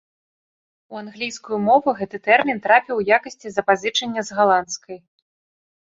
У англійскую мову гэты тэрмін трапіў у якасці запазычання з галандскай.